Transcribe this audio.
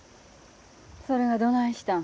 それがどないしたん？